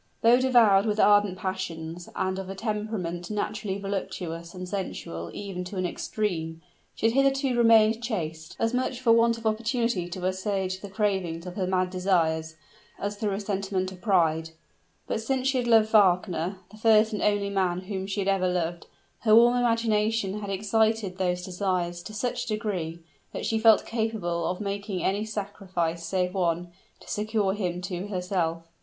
Though devoured with ardent passions, and of a temperament naturally voluptuous and sensual even to an extreme, she had hitherto remained chaste, as much for want of opportunity to assuage the cravings of her mad desires, as through a sentiment of pride but since she had loved Wagner the first and only man whom she had ever loved her warm imagination had excited those desires to such a degree, that she felt capable of making any sacrifice, save one to secure him to herself.